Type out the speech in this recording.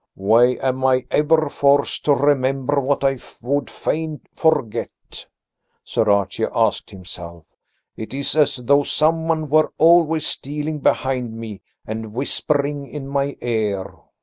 "Why am I ever forced to remember what I would fain forget?" Sir Archie asked himself. "It is as though someone were always stealing behind me and whispering in my ear.